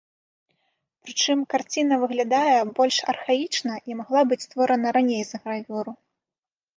Прычым карціна выглядае больш архаічна і магла быць створана раней за гравюру.